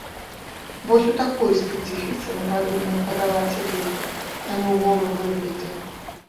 Вось у такой спецыфіцы мы павінны падаваць ідэі, а не ў голым выглядзе.